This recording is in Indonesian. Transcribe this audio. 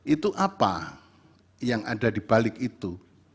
itu apa yang ada dibalik itu